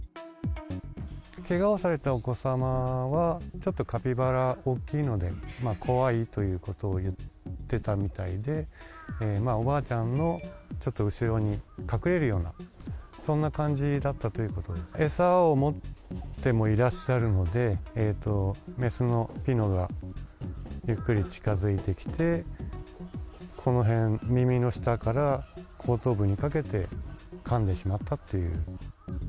けがをされたお子様は、ちょっとカピバラ大きいので、怖いということを言ってたみたいで、おばあちゃんのちょっと後ろに隠れるような、そんな感じだったということで、餌を持ってもいらっしゃるので、雌のピノがゆっくり近づいてきて、この辺、耳の下から後頭部にかけて、かんでしまったという。